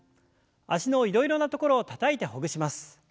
脚のいろいろなところをたたいてほぐします。